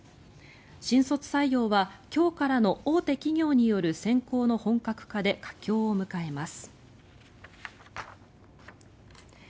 新卒採用は、今日からの大手企業による選考の本格化で佳境を迎えます。